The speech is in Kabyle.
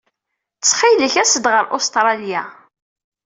Ttxil-k, as-d ɣer Ustṛalya.